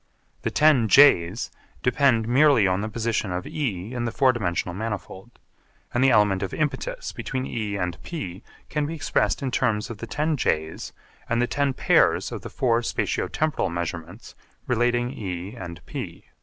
The ten J's depend merely on the position of E in the four dimensional manifold, and the element of impetus between E and P can be expressed in terms of the ten J's and the ten pairs of the four spatio temporal measurements relating E and P.